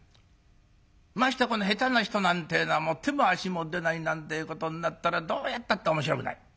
ましてや下手な人なんてえのは手も足も出ないなんてえことになったらどうやったって面白くない。